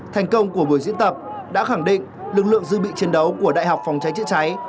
thành công của buổi diễn tập đã khẳng định lực lượng dự bị chiến đấu của đại học phòng cháy chữa cháy